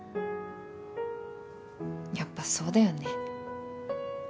やっぱそうだよね。